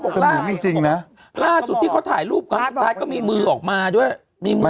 บอกว่าเหมือนจริงจริงน่ะล่าสุดที่เขาถ่ายรูปก็มีมือออกมาด้วยมีมือ